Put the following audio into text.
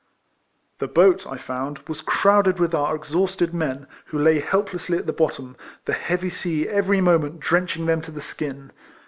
" The boat, I found, was crowded with our exhausted men, who lay helplessly at the bottom, the heavy sea every moment drench ing them to the skin.